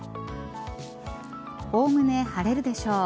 おおむね晴れるでしょう。